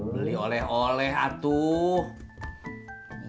beli oleh oleh atuh